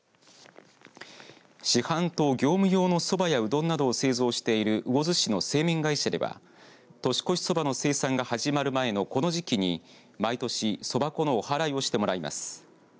市販と業務用のそばやうどんなどを製造している魚津市の製麺会社では年越しそばの生産が始まる前のこの時期に毎年、そば粉のおはらいをしてもらいます。